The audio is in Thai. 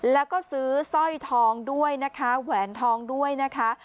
แล้วก็ซื้อสร้อยทองด้วยนะคะแหวนทองด้วยนะคะ